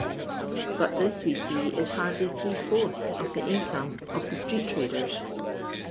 but this we see is hardly three fourths of the income of the street traders.